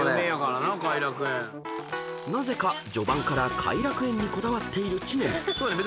［なぜか序盤から偕楽園にこだわっている知念］